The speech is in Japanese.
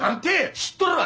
知っとるわ！